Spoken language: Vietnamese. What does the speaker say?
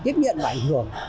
tiếp nhận và ảnh hưởng